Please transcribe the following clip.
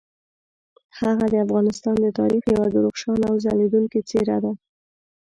هغه د افغانستان د تاریخ یوه درخشانه او ځلیدونکي څیره ده.